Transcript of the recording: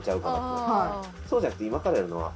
そうじゃなくて今からやるのは。